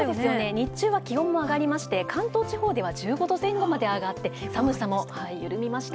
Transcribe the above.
日中は気温も上がりまして、関東地方では１５度前後まで上がって、寒さも緩みました。